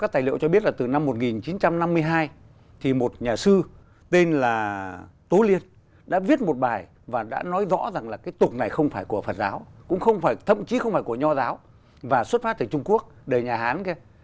tài liệu cho biết là từ năm một nghìn chín trăm năm mươi hai thì một nhà sư tên là tố liên đã viết một bài và đã nói rõ rằng là cái tục này không phải của phật giáo cũng không phải của nho giáo và xuất phát từ trung quốc đời nhà hán